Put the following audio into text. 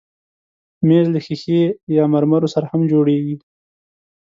مېز له ښیښې یا مرمرو سره هم جوړېږي.